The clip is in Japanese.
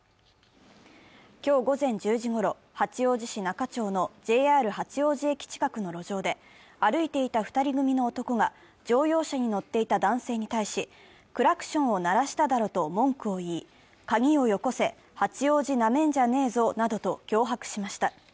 今日午前１０時ごろ、八王子市中町のＪＲ八王子駅近くの路上で、歩いていた２人組の男が乗用車に乗っていた男性に対し、クラクションを鳴らしただろうと文句を言い、鍵をよこせ、八王子なめんじゃねえぞと脅迫しました。